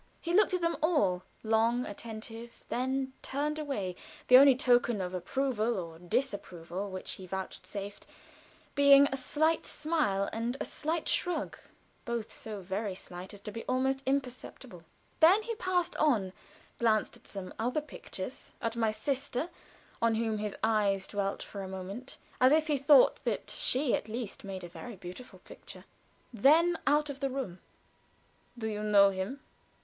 He looked at them all long attentively then turned away; the only token of approval or disapproval which he vouchsafed being a slight smile and a slight shrug, both so very slight as to be almost imperceptible. Then he passed on glanced at some other pictures at my sister, on whom his eyes dwelt for a moment as if he thought that she at least made a very beautiful picture; then out of the room. "Do you know him?"